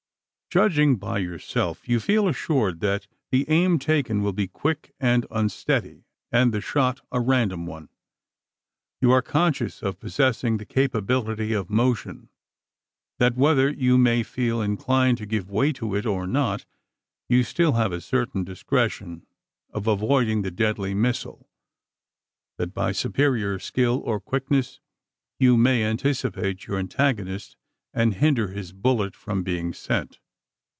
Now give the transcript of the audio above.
Judging by yourself, you feel assured that the aim taken will be quick and unsteady, and the shot a random one. You are conscious of possessing the capability of motion that whether you may feel inclined to give way to it or not, you still have a certain discretion of avoiding the deadly missile that by superior skill or quickness, you may anticipate your antagonist and hinder his bullet from being sent.